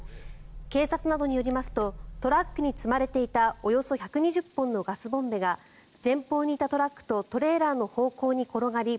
警察などによりますとトラックに積まれていたおよそ１２０本のガスボンベが前方にいたトラックとトレーラーの方向に転がり